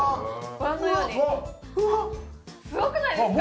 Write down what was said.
ご覧のようにすごくないですか？